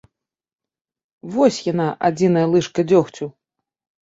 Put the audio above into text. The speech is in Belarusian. Вось яна, адзіная лыжка дзёгцю.